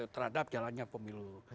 terhadap jalannya pemilu